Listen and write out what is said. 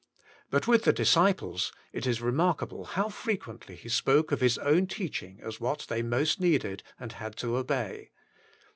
But with the disciples it is remark able how frequently He spoke of His own teach ing as what they most needed, and had to obey.